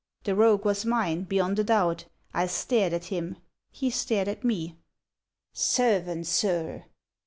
The rogue was mine, beyond a doubt. I stared at him; he stared at me; 'Servant, Sir!'